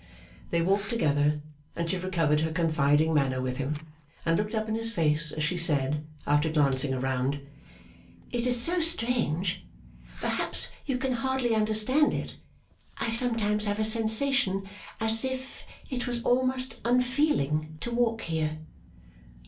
They walked together, and she recovered her confiding manner with him, and looked up in his face as she said, after glancing around: 'It is so strange. Perhaps you can hardly understand it. I sometimes have a sensation as if it was almost unfeeling to walk here.